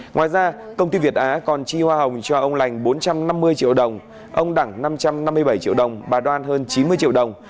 ngoài ra công ty việt á còn chi hoa hồng cho ông lành bốn trăm năm mươi triệu đồng ông đẳng năm trăm năm mươi bảy triệu đồng bà đoan hơn chín mươi triệu đồng